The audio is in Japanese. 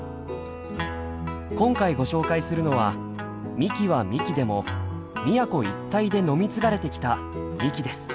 今回ご紹介するのは「みき」は「みき」でも宮古一帯で飲み継がれてきた「みき」です。